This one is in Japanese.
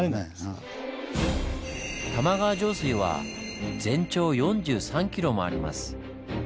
玉川上水は全長４３キロもあります。